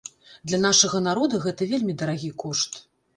Для нашага народа гэта вельмі дарагі кошт.